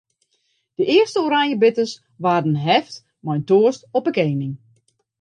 De earste oranjebitters waarden heefd mei in toast op 'e koaning.